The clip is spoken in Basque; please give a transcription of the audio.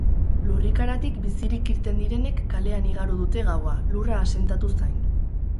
Lurrikaratik bizirik irten direnek kalean igaro dute gaua, lurra asentatu zain.